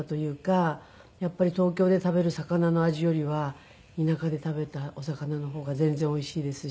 やっぱり東京で食べる魚の味よりは田舎で食べたお魚の方が全然おいしいですし。